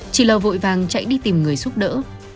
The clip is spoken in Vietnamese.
chị l vội vàng chạy đi tìm người giúp đỡ